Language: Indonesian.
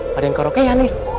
hai warna keroboh aneh